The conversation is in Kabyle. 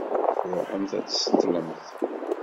Ṛuḥemt ad d-tseṭṭlemt.